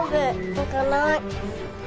行かない。